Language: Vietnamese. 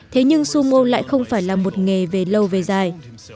thế nhưng sumo lại không phải là một nghề về lâu về dài